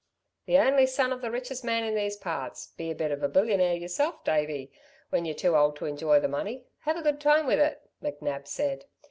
"The only son of the richest man in these parts be a bit of a millionaire y'self, Davey when y're too old to enjoy the money have a good time with it," McNab said.